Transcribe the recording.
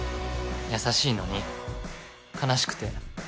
優しいのに悲しくて。